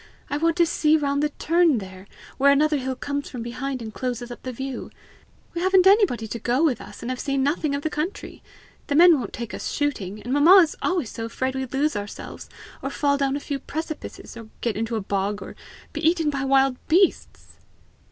I want to see round the turn there, where another hill comes from behind and closes up the view. We haven't anybody to go with us, and have seen nothing of the country. The men won't take us shooting; and mamma is always so afraid we lose ourselves, or fall down a few precipices, or get into a bog, or be eaten by wild beasts!"